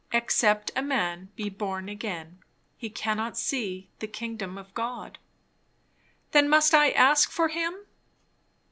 'Except a man be born again, he cannot see the kingdom of God.'" "Then must I ask for him?"